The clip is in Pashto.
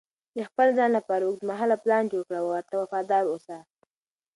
د خپل ځان لپاره اوږدمهاله پلان جوړ کړه او ورته وفادار اوسه.